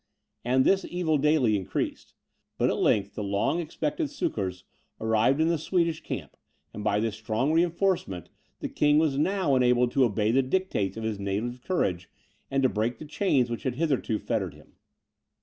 And this evil daily increased. But at length, the long expected succours arrived in the Swedish camp; and by this strong reinforcement, the King was now enabled to obey the dictates of his native courage, and to break the chains which had hitherto fettered him.